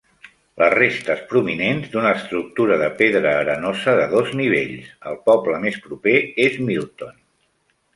Les restes prominents d'una estructura de pedra arenosa de dos nivells. El poble més proper és Milton.